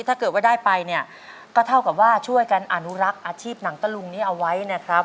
ถ้าเกิดว่าได้ไปเนี่ยก็เท่ากับว่าช่วยกันอนุรักษ์อาชีพหนังตะลุงนี้เอาไว้นะครับ